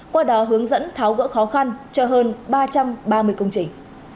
qua đó hướng dẫn tháo gỡ khó khăn cho hơn ba trăm ba mươi công trình